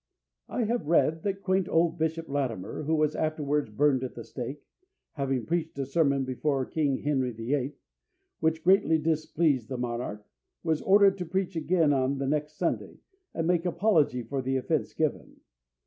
I have read that quaint old Bishop Latimer, who was afterwards burned at the stake, "having preached a sermon before King Henry VIII, which greatly displeased the monarch, was ordered to preach again on the next Sunday, and make apology for the offence given.